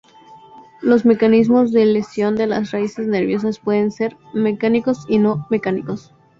Los mecanismos de lesión de las raíces nerviosas pueden ser, mecánicos y no mecánicos.